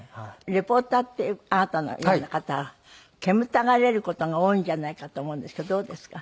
リポーターってあなたのような方は煙たがられる事が多いんじゃないかと思うんですけどどうですか？